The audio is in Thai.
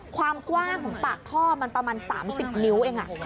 ความกว้างของปากท่อมันประมาณ๓๐นิ้วเอง